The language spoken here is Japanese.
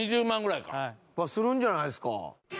２０万ぐらいか。はするんじゃないですか？